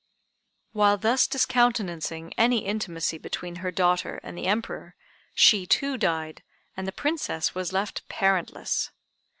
While thus discountenancing any intimacy between her daughter and the Emperor, she too died, and the princess was left parentless.